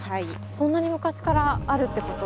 そんなに昔からあるってこと？